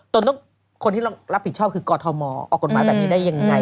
ต้องคนที่รับผิดชอบคือกอทมออกกฎหมายแบบนี้ได้ยังไง